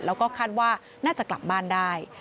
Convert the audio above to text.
แล้วก็คาดว่าน่าจะกลับบ้านได้